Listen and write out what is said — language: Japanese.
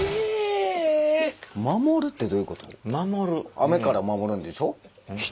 雨から守るんでしょ？